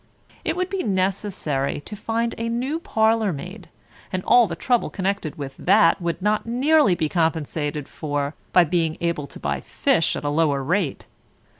It would be necessary to find a new parlour maid, and all the trouble connected with that would not nearly be compensated for by being able to buy fish at a lower rate.